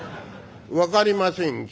「分かりません。